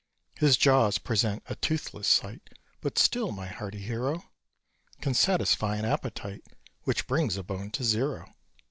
His jaws present a toothless sight, But still my hearty hero Can satisfy an appetite Which brings a bone to zero.